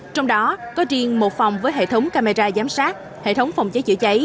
trong đó có riêng một phòng với hệ thống camera giám sát hệ thống phòng cháy chữa cháy